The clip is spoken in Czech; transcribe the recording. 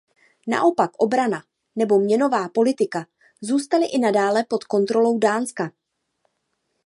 Naopak obrana nebo měnová politika zůstaly i nadále pod kontrolou Dánska.